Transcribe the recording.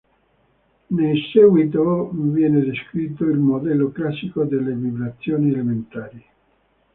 Nel seguito viene descritto il modello classico delle vibrazioni elementari.